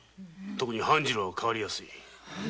半次郎は変わりやすい。